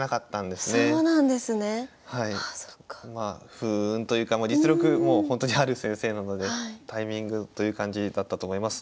不運というか実力もうほんとにある先生なのでタイミングという感じだったと思います。